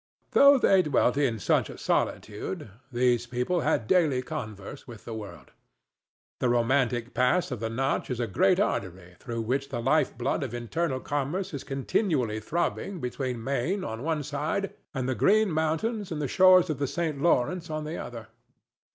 Though they dwelt in such a solitude, these people held daily converse with the world. The romantic pass of the Notch is a great artery through which the life blood of internal commerce is continually throbbing between Maine on one side and the Green Mountains and the shores of the St. Lawrence on the other.